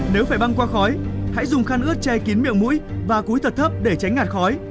nếu phải băng qua khói hãy dùng khăn ướt che kín miệng mũi và cúi thật thấp để tránh ngạt khói